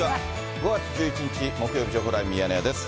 ５月１１日木曜日、情報ライブミヤネ屋です。